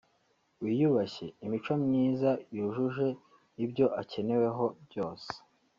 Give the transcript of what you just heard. wiyubashye ……imico myiza yujuje ibyo akeneweho byose